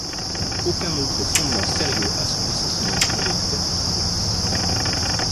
Aucun autre fondement sérieux à son licenciement n'avait pu être trouvé.